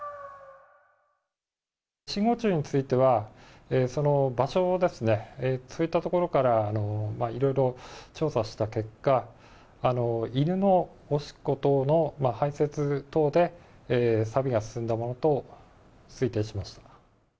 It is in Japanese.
信号柱については、その場所ですね、そういった所から、いろいろ調査した結果、犬のおしっこ等の排せつ等で、さびが進んだものと推定しました。